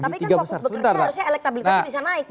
tapi kan fokus bekerja harusnya elektabilitasnya bisa naik